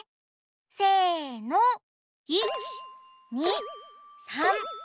せの１２３４。